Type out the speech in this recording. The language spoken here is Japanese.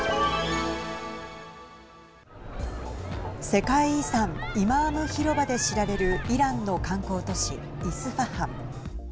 世界遺産イマーム広場で知られるイランの観光都市イスファハン。